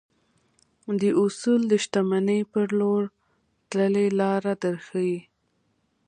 دا اصول د شتمنۍ پر لور تللې لاره درښيي.